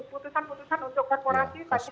putusan putusan untuk korporasi